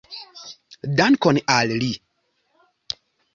Dankon al li!